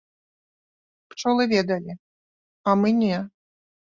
Пчолы ведалі, а мы не.